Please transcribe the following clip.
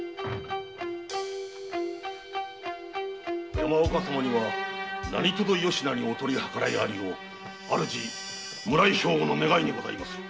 山岡様には何とぞよしなにお取り計らいあるよう主・村井兵庫の願いにございます。